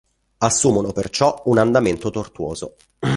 Assumono perciò un andamento tortuoso.